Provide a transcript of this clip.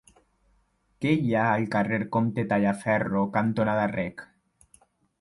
Què hi ha al carrer Comte Tallaferro cantonada Rec?